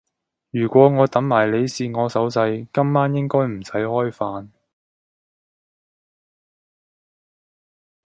如果我等埋你試我手勢，今晚應該唔使開飯